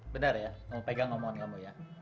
benar ya kamu pegang omongan kamu ya